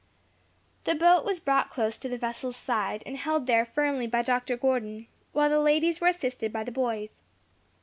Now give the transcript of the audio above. The boat was brought close to the vessel's side, and held there firmly by Dr. Gordon, while the ladies were assisted by the boys.